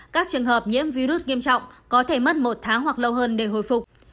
các trường hợp nhiễm virus nghiêm trọng có thể mất một tháng hoặc lâu hơn để hồi phục